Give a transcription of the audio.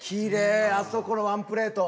あそこのワンプレート。